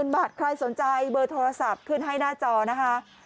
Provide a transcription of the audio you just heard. บาทใครสนใจเบอร์โทรศัพท์ขึ้นให้หน้าจอนะคะ